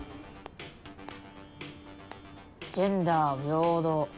「ジェンダー平等」